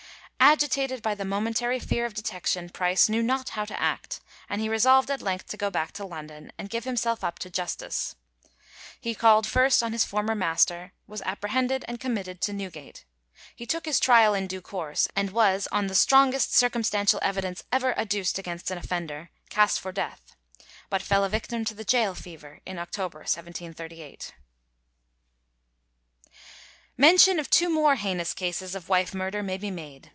"Agitated by the momentary fear of detection, Price knew not how to act," and he resolved at length to go back to London and give himself up to justice. He called first on his former master, was apprehended, and committed to Newgate. He took his trial in due course, and was, on "the strongest circumstantial evidence ever adduced against an offender," cast for death, but fell a victim to the gaol fever in October, 1738. Mention of two more heinous cases of wife murder may be made.